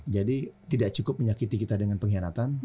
jadi tidak cukup menyakiti kita dengan pengkhianatan